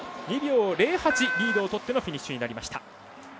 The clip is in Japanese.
２秒０８リードをとってのフィニッシュになりました。